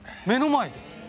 目の前で。